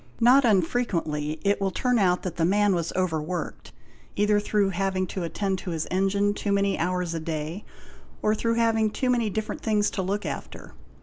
Not un frequently it will turn out that the man was over worked, either through having to attend to his engine too many hours a day, or through having too many different things to look after.